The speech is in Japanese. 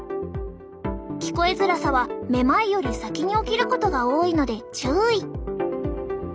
聞こえづらさはめまいより先に起きることが多いので注意！